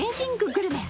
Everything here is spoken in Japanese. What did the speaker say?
グルメ。